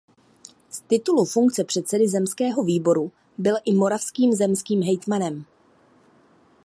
Z titulu funkce předsedy zemského výboru byl i moravským zemským hejtmanem.